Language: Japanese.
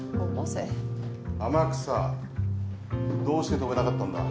天草どうして止めなかったんだ。